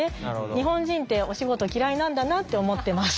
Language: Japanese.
日本人ってお仕事嫌いなんだなって思ってます。